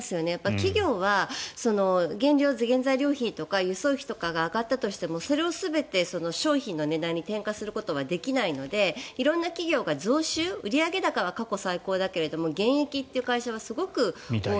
企業は原材料費や輸送費とかが上がったとしてもそれを全て商品の値上げに転嫁することはできないので色んな企業が増収売上高は過去最高だけど減益という会社はすごく多い。